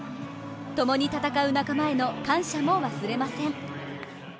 共に戦う仲間への感謝も忘れません。